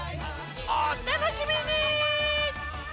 お楽しみにー！